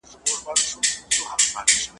د نجات لوری یې ورک سو هري خواته ,